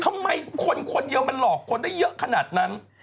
ทำไมคนคนเดียวมันหลอกคนได้เยอะขนาดนั้น